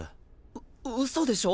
うっうそでしょ！？